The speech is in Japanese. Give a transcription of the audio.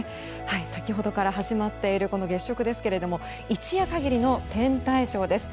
先ほどから始まっている月食ですが一夜限りの天体ショーです。